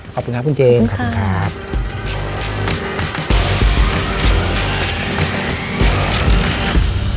ขอบคุณครับคุณเจมส์ขอบคุณครับค่ะค่ะค่ะ